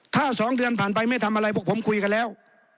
ถ้า๒เดือนผ่านไปไม่ทำอะไรพวกผมคุยกันแล้ว